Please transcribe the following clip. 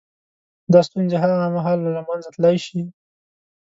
• دا ستونزې هغه مهال له منځه تلای شي.